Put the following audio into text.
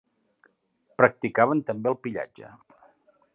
Practicaven també el pillatge.